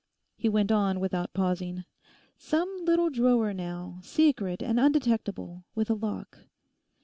He went on without pausing. 'Some little drawer now, secret and undetectable, with a lock.